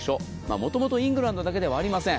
もともとイングランドだけではありません。